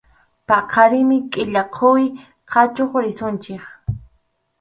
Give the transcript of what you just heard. Paqarinmi kʼita quwi chakuq risunchik.